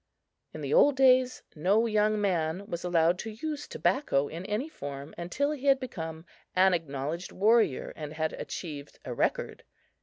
In the old days, no young man was allowed to use tobacco in any form until he had become an acknowledged warrior and had achieved a record.